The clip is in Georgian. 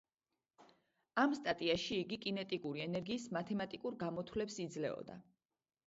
ამ სტატიაში იგი კინეტიკური ენერგიის მათემატიკურ გამოთვლებს იძლეოდა.